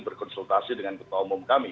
berkonsultasi dengan ketua umum kami